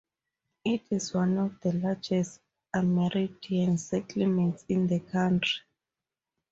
It is one of the largest Amerindian settlements in the country.